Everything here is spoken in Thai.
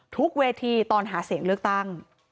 ทุกเวทีตอนหาเสียงเลือกตั้ง